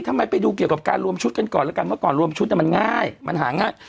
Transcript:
ไปดูเกี่ยวกับการรวมชุดกันก่อนแล้วกันเมื่อก่อนรวมชุดมันง่ายมันหาง่าย